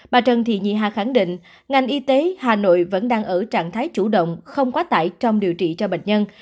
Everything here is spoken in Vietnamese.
bà trần thị nhì hà khẳng định ngành y tế hà nội vẫn đang ở trạng thái chủ động không quá tải trong điều trị cho bệnh nhân